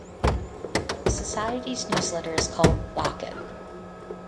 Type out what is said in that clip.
The society's newsletter is called 'Docket'.